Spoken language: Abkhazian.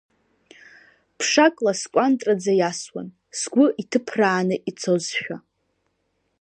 Ԥшак, ласкәантраӡа иасуан, сгәы иҭыԥрааны ицозшәа.